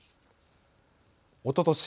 おととし